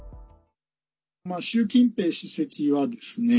習近平主席はですね